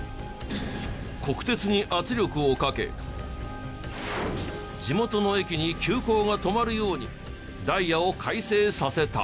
国鉄に圧力をかけ地元の駅に急行が止まるようにダイヤを改正させた。